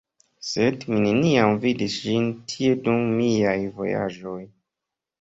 Sed mi neniam vidis ĝin tie dum miaj vojaĝoj.